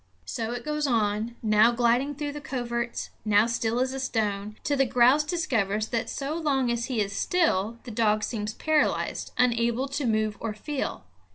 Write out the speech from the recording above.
So it goes on, now gliding through the coverts, now still as a stone, till the grouse discovers that so long as he is still the dog seems paralyzed, unable to move or feel.